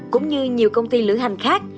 cũng như nhiều công ty lưỡng hành khác